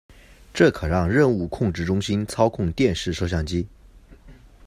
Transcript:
这可让任务控制中心操控电视摄像机。